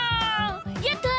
やった！